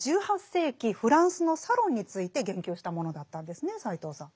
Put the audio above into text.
フランスのサロンについて言及したものだったんですね斎藤さん。